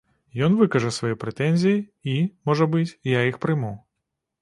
Ён выкажа свае прэтэнзіі, і, можа быць, я іх прыму.